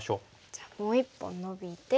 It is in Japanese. じゃあもう１本ノビて。